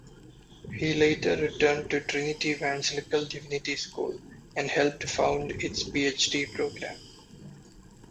He later returned to Trinity Evangelical Divinity School, and helped found its Ph.D. program.